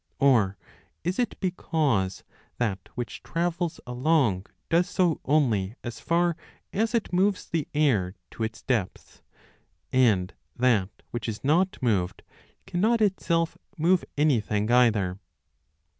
30 Or is it because that which travels along does so only as far as it moves the air to its depths, and that which is 8s8 b not moved cannot itself move anything either